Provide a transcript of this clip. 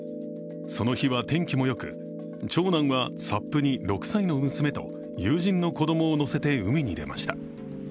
その日は天気もよく長男はＳＵＰに６歳の娘と友人の子供を乗せて海に出ました。